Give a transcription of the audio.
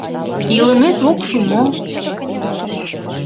— Илымет ок шу мо?..